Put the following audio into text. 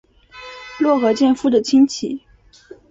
落合建夫的亲戚。